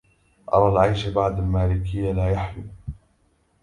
أرى العيش بعد المالكية لا يحلو